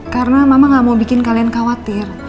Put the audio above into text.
karena mama gak mau bikin kalian khawatir